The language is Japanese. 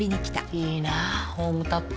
いいなホームタップ。